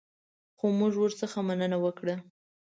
خو موږ ورڅخه مننه وکړه.